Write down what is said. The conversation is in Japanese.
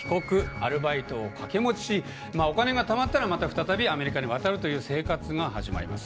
アルバイトを掛け持ちしお金がたまったらまた再びアメリカに渡るという生活が始まります。